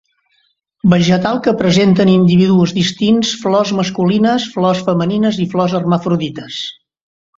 Vegetal que presenta en individus distints flors masculines, flors femenines i flors hermafrodites.